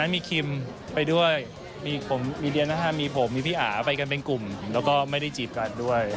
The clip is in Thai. มีพี่อาไปกันเป็นกลุ่มแล้วก็ไม่ได้จีบกันด้วย